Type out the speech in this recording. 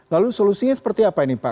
lalu solusinya seperti apa ini pak